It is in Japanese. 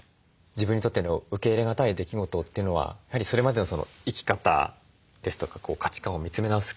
自分にとっての受け入れがたい出来事というのはやはりそれまでの生き方ですとか価値観を見つめ直す